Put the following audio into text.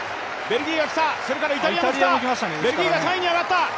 ベルギーが３位に上がった。